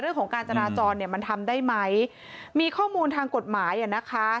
เรื่องของการจราจรเนี่ยมันทำได้ไหมมีข้อมูลทางกฎหมายอ่ะนะคะ